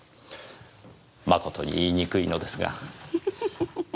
まことに言いにくいのですが。